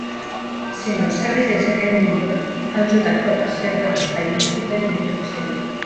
Si no s'arribés a aquest número, el jurat de reserva del país votaria en lloc seu.